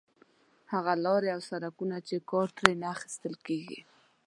هغه لارې او سړکونه چې کار ترې نه اخیستل کېږي.